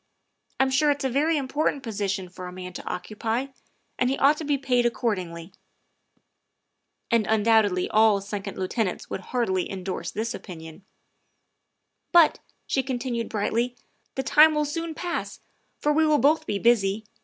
I 'm sure it 's a very important posi tion for a man to occupy, and he ought to be paid accord ingly." And undoubtedly all second lieutenants would heartily endorse this opinion. " But," she continued brightly, " the time will soon pass, for we will both be busy.